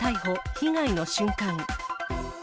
被害の瞬間。